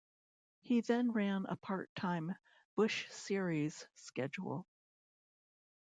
He then ran a part-time Busch Series schedule.